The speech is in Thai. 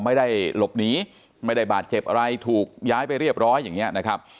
ไม่ได้หลบหนีไม่ได้บาดเจ็บอะไรถูกย้ายไปเรียบร้อยอย่างนี้นะครับ